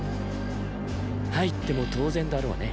入っても当然だろうね。